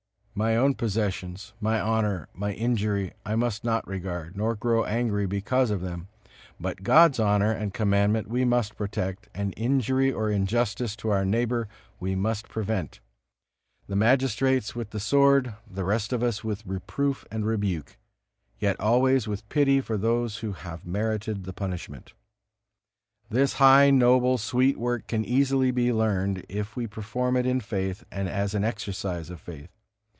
My own possessions, my honor, my injury, I must not regard, nor grow angry because of them; but God's honor and Commandment we must protect, and injury or injustice to our neighbor we must prevent, the magistrates with the sword, the rest of us with reproof and rebuke, yet always with pity for those who have merited the punishment. This high, noble, sweet work can easily be learned, if we perform it in faith, and as an exercise of faith.